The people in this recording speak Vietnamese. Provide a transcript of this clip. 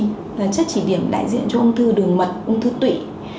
ca một trăm năm mươi chín là chất chỉ điểm đại diện cho ung thư đường mật ung thư tụy